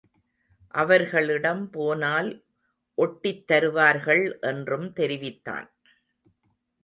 அவர்களிடம் போனால் ஒட்டித்தருவார்கள் என்றும் தெரிவித்தான்.